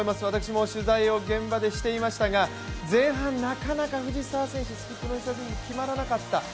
私も取材を現場でしていましたが、前半、なかなか、藤澤選手、決まらなかった。